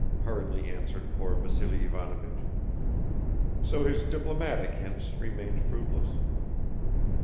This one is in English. hurriedly answered poor Vassily Ivanovich. So his diplomatic hints remained fruitless.